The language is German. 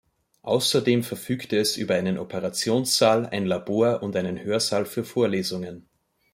Außerdem verfügte es über einen Operationssaal, ein Labor und einen Hörsaal für Vorlesungen.